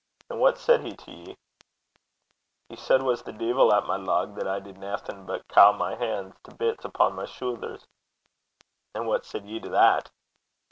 'And what said he to ye?' 'He said was the deevil at my lug, that I did naething but caw my han's to bits upo' my shoothers.' 'And what said ye to that?'